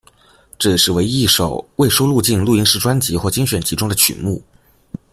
这也是唯一一首未收录进录音室专辑或精选集中的曲目。